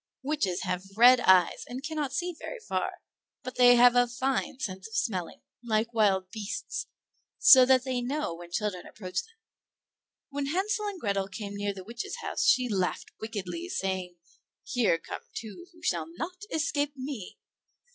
Witches have red eyes, and cannot see very far; but they have a fine sense of smelling, like wild beasts, so that they know when children approach them. When Hansel and Grethel came near the witch's house she laughed wickedly, saying, "Here come two who shall not escape me."